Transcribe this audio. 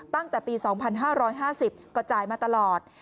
ตั้งแต่ปี๒๕๕๐ก็จ่ายมาตลอด